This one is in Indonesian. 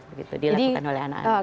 dilakukan oleh anak anak